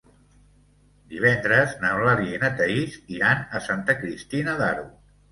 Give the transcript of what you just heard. Divendres n'Eulàlia i na Thaís iran a Santa Cristina d'Aro.